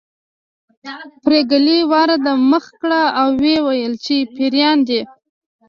پريګلې وار د مخه کړ او وویل چې پيريان دي